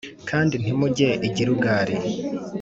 kandi ntimujye i Gilugali